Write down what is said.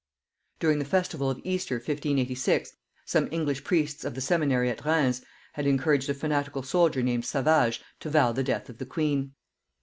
During the festival of Easter 1586, some English priests of the seminary at Rheims had encouraged a fanatical soldier named Savage to vow the death of the queen.